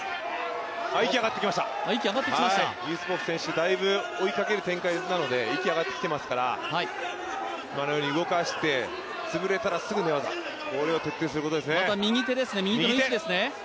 息上がってきました、ユスポフ選手、追いかける展開なので息が上がってきてますから今のように動かして、潰れたらすぐ寝技を徹底することですね。